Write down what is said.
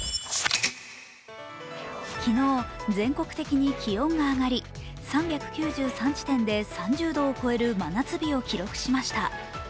昨日、全国的に気温が上がり３９３地点で、３０度を超える真夏日を記録しました。